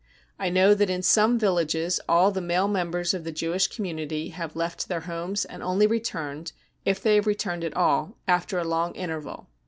I know that in some villages all the male mem bers of the Jewish community have left their homes and THE PERSECUTION OP JEWS 24.I only returned, if they have returned at all, after a long interval."